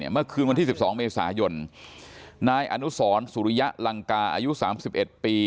เมื่อคืนวันที่๑๒เมษายนนายอนุสรสุริยะลังกาอายุ๓๑ปี